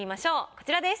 こちらです。